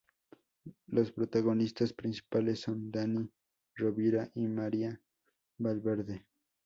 Los protagonistas principales son Dani Rovira y María Valverde.